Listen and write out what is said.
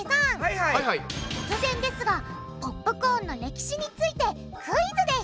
突然ですがポップコーンの歴史についてクイズです！